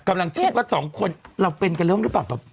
กำลังคิดว่า๒คนเป็นแก่เริ่มหรือเปล่า